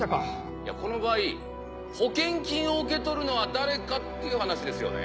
いやこの場合保険金を受け取るのは誰かっていう話ですよね。